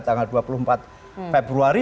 tanggal dua puluh empat februari